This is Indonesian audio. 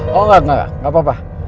oh enggak enggak enggak gak apa apa